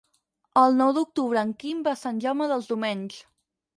El nou d'octubre en Quim va a Sant Jaume dels Domenys.